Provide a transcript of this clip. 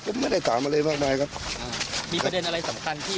แต่ไม่ได้ตามอะไรมากแล้วมีประเด็นอะไรสำคัญกี่